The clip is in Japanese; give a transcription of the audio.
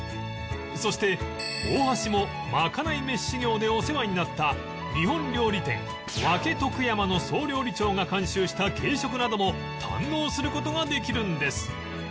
そして大橋もまかない飯修業でお世話になった日本料理店分とく山の総料理長が監修した軽食なども堪能する事ができるんです